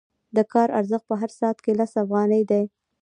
د کار ارزښت په هر ساعت کې لس افغانۍ دی